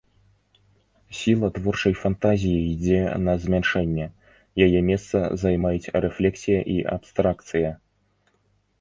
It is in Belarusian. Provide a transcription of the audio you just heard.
Сіла творчай фантазіі ідзе на змяншэнне, яе месца займаюць рэфлексія і абстракцыя.